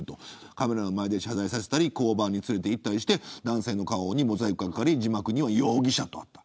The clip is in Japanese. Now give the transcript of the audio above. カメラの前で謝罪させたり交番に連れていったりして男性の顔にモザイクがかかり字幕には容疑者とあった。